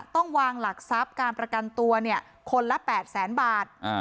ต้องวางหลักทรัพย์การประกันตัวคนละ๘แสนบาท